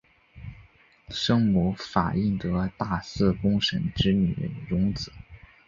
生母法印德大寺公审之女荣子。